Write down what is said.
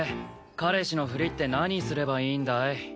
彼氏のふりって何すればいいんだい？